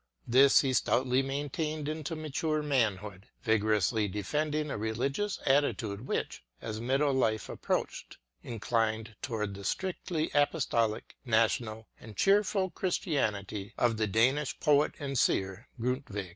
This he stoutly maintained into mature manhood, vigorously de fending a religious attitude which, as middle life approached, inclined toward the strictly apostolic, national, and cheerful" Christianity of the Danish poet and seer, Grundtvig.